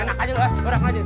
enak aja lo dorang aja